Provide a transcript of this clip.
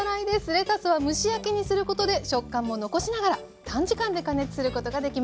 レタスは蒸し焼きにすることで食感も残しながら短時間で加熱することができます。